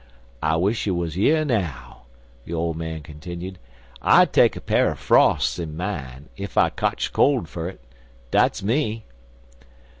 I wish he wuz yer now," the old man continued. "I'd take a pa'r er frosts in mine, ef I kotched cold fer it. Dat's me!"